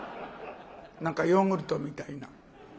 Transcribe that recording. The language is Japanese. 何かヨーグルトみたいな。